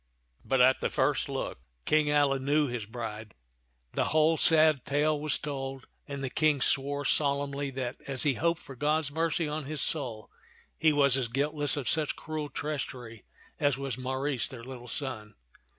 But at the first look King Alia knew his bride. 74 t^^ (JTlan of ^a)»'0 taU The whole sad tale was told, and the King swore sol emnly that, as he hoped for God's mercy on his soul, he was as guiltless of such cruel treachery as was Maurice, their little son.